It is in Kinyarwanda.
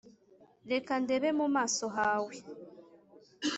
Reka ndebe mu maso hawe